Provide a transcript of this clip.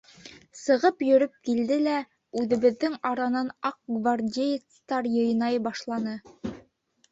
Сығып йөрөп килде лә үҙебеҙҙең аранан аҡ гвардеецтар йыйнай башланы.